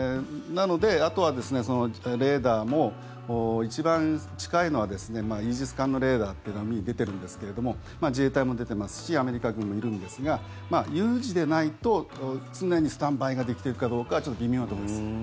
なので、あとはレーダーも一番近いのはイージス艦のレーダーというのが出ているんですけれども自衛隊も出ていますしアメリカ軍もいるんですが有事でないと常にスタンバイができているかどうかちょっと微妙なところです。